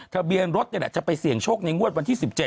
ทะเบียนรถนี่แหละจะไปเสี่ยงโชคในงวดวันที่๑๗